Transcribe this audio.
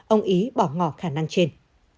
ông ý bỏ ngỏ khả năng trên